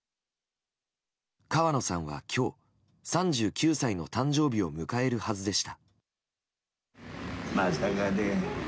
川野さんは今日、３９歳の誕生日を迎えるはずでした。